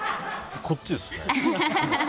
こっちです。